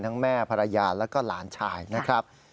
แม่ภรรยาแล้วก็หลานชายนะครับ